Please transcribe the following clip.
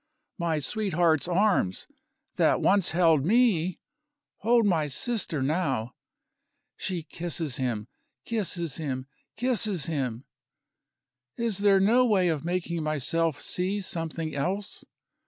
My sweetheart's arms, that once held me, hold my sister now. She kisses him, kisses him, kisses him. Is there no way of making myself see something else?